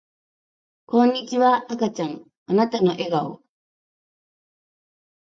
こんにちは赤ちゃんあなたの笑顔